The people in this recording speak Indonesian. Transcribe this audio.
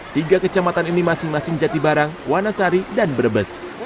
tiga kecamatan ini masing masing jatibarang wanasari dan brebes